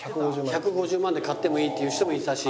１５０万で買ってもいいっていう人もいたし。